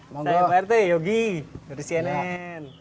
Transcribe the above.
saya pak arti yogi dari cnn